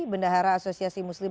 bendahara asosiasi muslim